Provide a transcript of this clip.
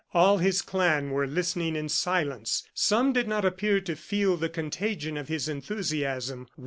All his clan were listening in silence. Some did not appear to feel the contagion of his enthusiasm.